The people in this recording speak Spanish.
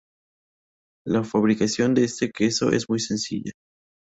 La fabricación de este queso es muy sencilla.